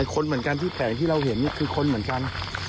คนเหมือนกันที่แฝงที่เราเห็นคือคนเหมือนกัน